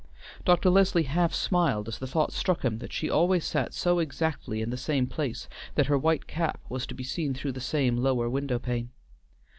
Dr. Leslie half smiled as the thought struck him that she always sat so exactly in the same place that her white cap was to be seen through the same lower window pane.